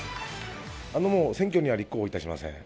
もう選挙には立候補いたしません。